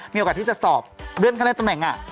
มีโอกาสที่จะสอบเรื่องข้างในตำแหน่ง